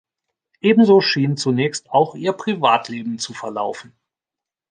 Ebenso schien zunächst auch ihr Privatleben zu verlaufen.